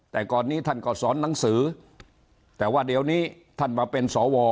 แต่ก่อนนี้ท่านก็สอนหนังสือแต่ว่าเดี๋ยวนี้ท่านมาเป็นสว